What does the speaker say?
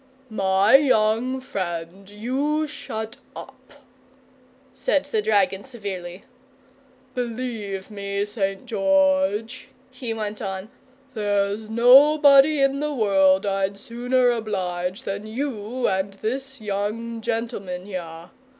"My young friend, you shut up," said the dragon severely. "Believe me, St. George," he went on, "there's nobody in the world I'd sooner oblige than you and this young gentleman here.